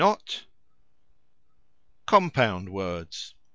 encore! COMPOUND WORDS.